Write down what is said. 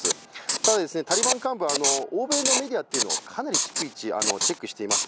ただタリバン幹部は欧米のメディアをかなり逐一チェックしていました。